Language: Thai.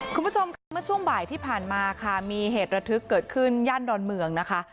คุณผู้ชมครับเมื่อช่วงบ่ายที่ผ่านมาค่ะมีเหตุระทึกเกิดขึ้นย่านดอนเมืองนะคะ